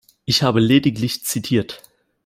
Ich habe lediglich zitiert.